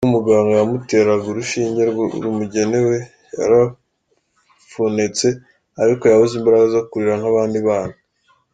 Ubwo umuganga yamuteraga urushinge rumugenewe yarafpunetse ariko yabuze imbaraga zo kurira nk’abandi bana.